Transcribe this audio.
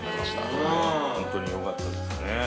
◆本当によかったですね。